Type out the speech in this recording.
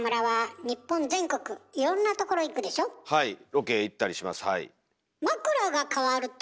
はいロケ行ったりしますはい。